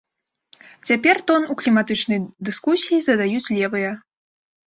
Цяпер тон у кліматычнай дыскусіі задаюць левыя.